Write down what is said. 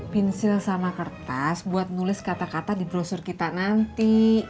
pensil sama kertas buat nulis kata kata di brosur kita nanti